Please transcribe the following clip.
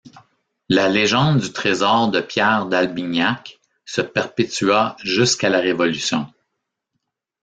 La légende du trésor de Pierre d'Albignac se perpétua jusqu'à la Révolution.